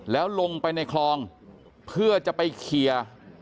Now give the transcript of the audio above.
แล้วลงไปในคลองเพื่อจะไปเคลียร์